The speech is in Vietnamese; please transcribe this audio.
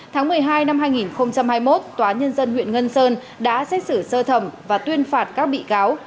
tháng một mươi hai năm hai nghìn hai mươi một tòa nhân dân huyện ngân sơn đã xét xử sơ thẩm và tuyên phạt các bị cáo